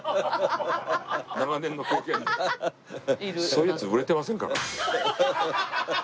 そういうヤツ売れてませんから。